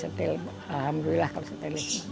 alhamdulillah kalau stainless